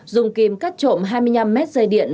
dùng kìm cắt trộm hai mươi năm mét dây điện